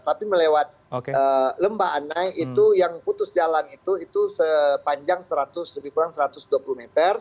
tapi melewat lemba anai itu yang putus jalan itu itu sepanjang seratus lebih kurang satu ratus dua puluh meter